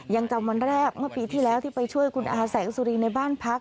ยังจำวันแรกเมื่อปีที่แล้วที่ไปช่วยคุณอาแสงสุรีในบ้านพัก